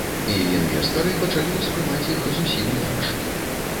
І інвестары пачалі ўспрымаць іх зусім інакш.